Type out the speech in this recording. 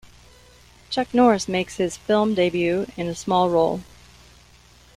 Chuck Norris makes his film debut in a small role.